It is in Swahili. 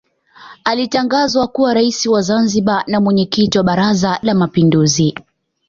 Alitangazwa kuwa Rais wa Zanzibar na Mwenyekiti wa Baraza la Mapinduzi